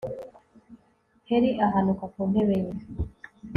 heli ahanuka ku ntebe ye